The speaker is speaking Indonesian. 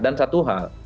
dan satu hal